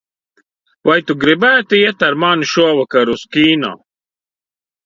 Vai tu gribētu iet ar mani šovakar uz kino?